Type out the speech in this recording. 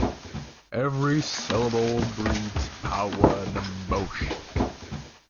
Every syllable breathes power and emotion.